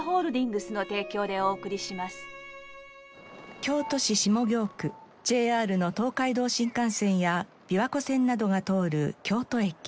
京都市下京区ＪＲの東海道新幹線や琵琶湖線などが通る京都駅。